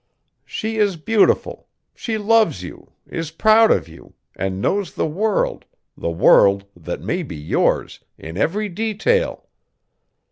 She is beautiful; she loves you, is proud of you, and knows the world, the world that may be yours, in every detail.